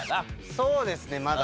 そうですねまだ。